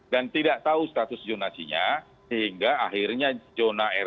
dan tidak tahu status jurnasinya sehingga akhirnya jurnal